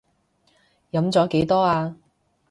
飲咗幾多呀？